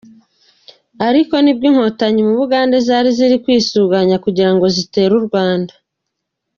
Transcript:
Ariko ni nabwo inkotanyi mu Buganda zari zirikwisuganya kugirango zitere u Rwanda.